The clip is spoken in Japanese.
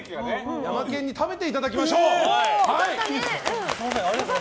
ヤマケンに食べていただきましょう。